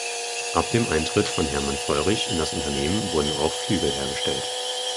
Ab dem Eintritt von Hermann Feurich in das Unternehmen wurden auch Flügel hergestellt.